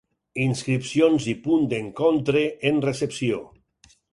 Inscripcions i Punt d'Encontre en Recepció.